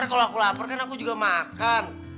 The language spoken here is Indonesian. nanti kalo aku lapar kan aku juga makan